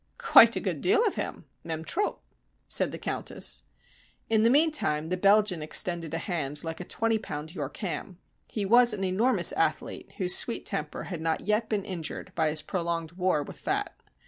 "Quite a good deal of him même trop," said the Countess. In the meantime the Belgian extended a hand like a twenty pound York ham. He was an enormous athlete, whose sweet temper had not yet been injured by his prolonged war with fat.